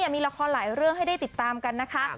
มีละครหลายเรื่องให้ได้ติดตามกันนะคะ